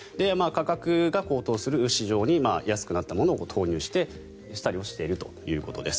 価格が高騰する市場に安くなったものを投入したりしているということです。